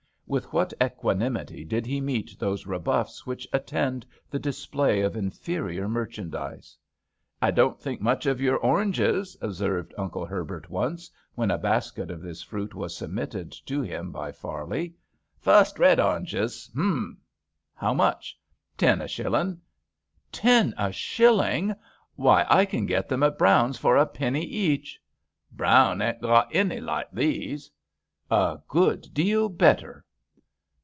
With what equanimity did he meet those rebuffs which attend the display of inferior mer chandise. "I don't think much of your oranges," observed Uncle Herbert once, when a basket of this fruit was submitted to him by Farley. Fust rate oranges." "Huml How much.?" "Ten a shillin'." "Ten a shilling! Why I can get them at Brown's for a penny each." "Brown ain't gawt any like these." " A good deal better."